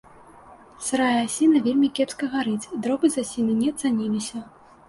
Сырая асіна вельмі кепска гарыць, дровы з асіны не цаніліся.